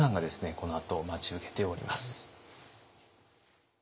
このあと待ち受けております。